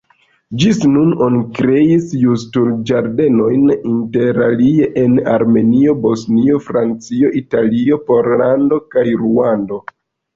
Ĝis nun oni kreis Justul-Ĝardenojn interalie en Armenio, Bosnio, Francio, Italio, Pollando kaj Ruando.